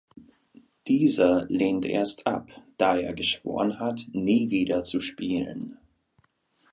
Dieser lehnt erst ab, da er geschworen hat, nie wieder zu spielen.